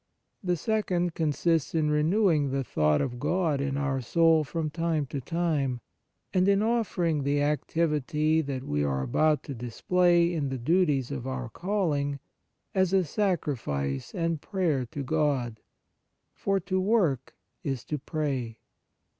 The second consists in re newing the thought of God in our soul from time to time, and in offer ing the activity that we are about to display in the duties of our calling as a sacrifice and prayer to God. For to work is to pray.